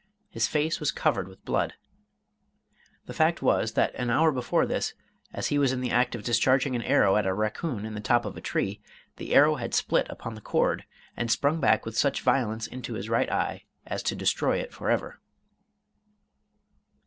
His face was covered with blood. The fact was, that an hour before this, as he was in the act of discharging an arrow at a raccoon in the top of a tree, the arrow had split upon the cord, and sprung back with such violence into his right eye as to destroy it forever.